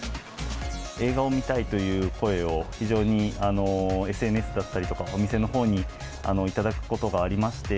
映画を見たいという声を非常にＳＮＳだったりとか、お店のほうに頂くことがありまして。